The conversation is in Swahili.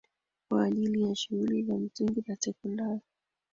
kwa ajili ya shule za msingi na sekondari